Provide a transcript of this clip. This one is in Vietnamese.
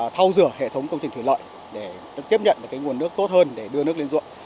thao rửa hệ thống công trình thủy lợi để tiếp nhận được nguồn nước tốt hơn để đưa nước lên ruộng